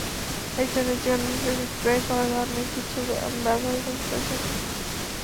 এর জন্য জীবাণুনাশক স্প্রে ধরনের কিছু ব্যবহারের কোনো প্রয়োজন নেই।